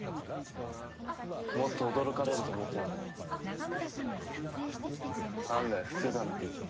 もっと驚かれると思ってたけど案外普通だな。